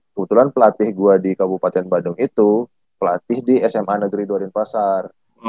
kebetulan pelatih gua di kabupaten badung itu pelatih di sma negeri duarinpasar